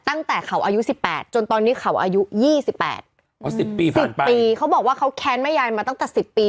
ตั้งแต่เขาอายุสิบแปดจนตอนนี้เขาอายุยี่สิบแปดอ๋อสิบปีผ่านไปสิบปีเขาบอกว่าเขาแค้นแม่ยายมาตั้งแต่สิบปี